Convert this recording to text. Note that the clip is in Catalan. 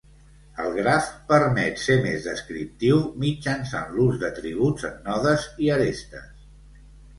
El graf permet ser més descriptiu mitjançant l'ús d'atributs en nodes i arestes.